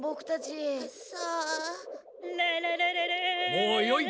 もうよい。